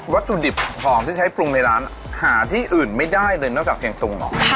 ถุดิบหอมที่ใช้ปรุงในร้านหาที่อื่นไม่ได้เลยนอกจากเพียงตุงเหรอ